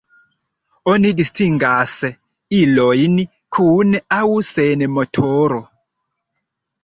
Oni distingas ilojn kun aŭ sen motoro.